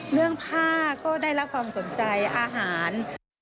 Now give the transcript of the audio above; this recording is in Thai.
เรื่องผ้าก็ได้รับความสนใจอาหาร